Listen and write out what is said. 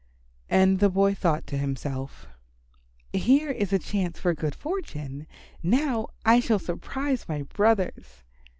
And the boy thought to himself, "Here is a chance for good fortune. Now I shall surprise my brothers."